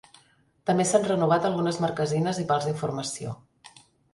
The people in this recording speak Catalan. També s’han renovat algunes marquesines i pals d’informació.